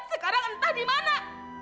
sekarang entah di mana